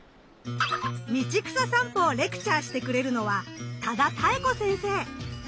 道草さんぽをレクチャーしてくれるのは多田多恵子先生。